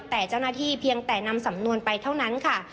แต่เจ้าหน้าที่เพียงแต่นำสำนวนไปเท่านั้นค่ะ